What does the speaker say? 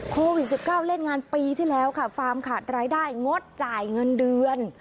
โควิด๑๙เล่นงานปีที่แล้วค่ะฟาร์มขาดรายได้งดจ่ายเงินเดือน